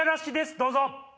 どうぞ。